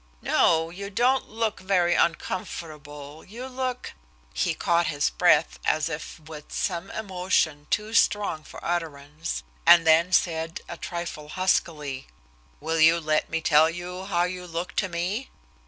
"No, you don't look very uncomfortable. You look" he caught his breath as if with some emotion too strong for utterance, and then said a trifle huskily: "Will you let me tell you how you look to me?"